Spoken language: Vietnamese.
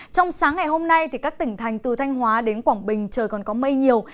trong sáng ngày hôm nay các tỉnh thành từ thanh hóa đến quảng bình trời còn có mây nhiều